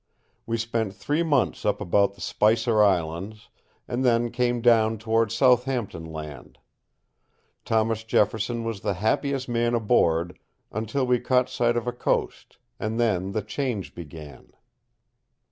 We spent three months up about the Spicer Islands, and then came down toward Southampton Land. Thomas Jefferson was the happiest man aboard until we caught sight of a coast, and then the change began.